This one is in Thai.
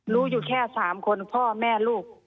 รู้อยู่แค่๓คนพ่อแม่ลูก